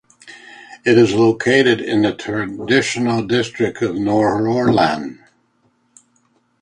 It is located in the traditional district of Nordhordland.